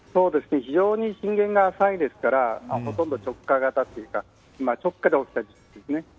非常に震源が浅いですからほとんど直下型というか直下で起きた地震ですね。